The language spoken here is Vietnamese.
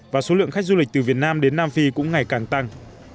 và số lượng khách du lịch từ việt nam đến nam phi cũng ngày càng tăng